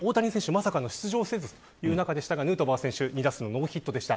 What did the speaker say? まさかの出場せずでしたがヌートバー選手２打数ノーヒットでした。